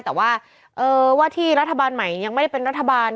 แต่ว่าว่าที่รัฐบาลใหม่ยังไม่ได้เป็นรัฐบาล